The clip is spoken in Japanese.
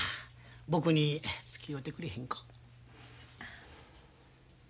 僕につきおうてくれへんか？